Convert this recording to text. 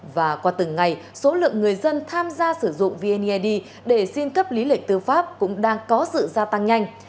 và qua từng ngày số lượng người dân tham gia sử dụng vneid để xin cấp lý lịch tư pháp cũng đang có sự gia tăng nhanh